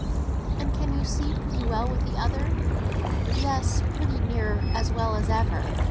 "And can you see pretty well with th' other?" "Yes, pretty near as well as ever.